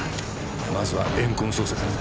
まずは怨恨捜査からだ。